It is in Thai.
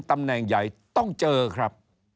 ตำแหน่งใหญ่ต้องเจอครับ